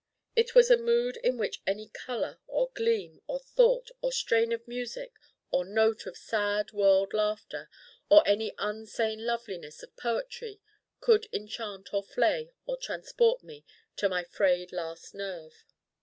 It was a mood in which any color or gleam or thought or strain of music or note of sad world laughter or any un sane loveliness of poetry could enchant or flay or transport me to my frayed last nerve.